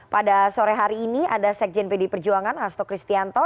pada sore hari ini ada sekjen pd perjuangan hasto kristianto